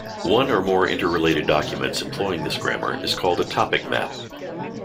One or more interrelated documents employing this grammar is called a topic map.